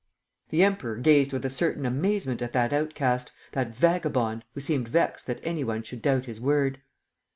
The Emperor gazed with a certain amazement at that outcast, that vagabond, who seemed vexed that any one should doubt his word.